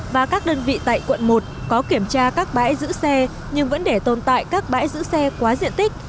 và các đơn vị tại quận một có kiểm tra các bãi giữ xe nhưng vẫn để tồn tại các bãi giữ xe quá diện tích